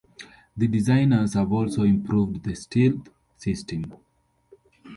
The designers have also improved the stealth system.